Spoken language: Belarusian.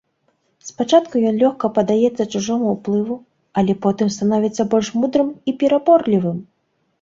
Спачатку ён лёгка паддаецца чужому ўплыву, але потым становіцца больш мудрым і пераборлівым.